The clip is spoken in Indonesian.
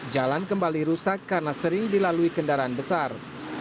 jalan kembali rusak karena sering dilalui kendaraan besar